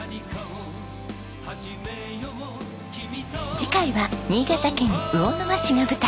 次回は新潟県魚沼市が舞台。